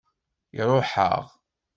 Iṛuḥ-aɣ.